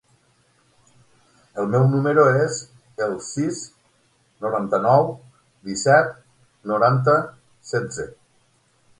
El meu número es el sis, noranta-nou, disset, noranta, setze.